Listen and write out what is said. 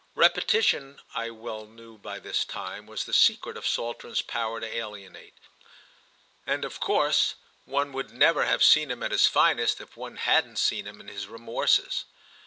Repetition, I well knew by this time, was the secret of Saltram's power to alienate, and of course one would never have seen him at his finest if one hadn't seen him in his remorses.